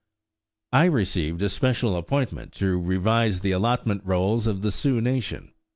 I received a special appointment to revise the allotment rolls of the Sioux nation.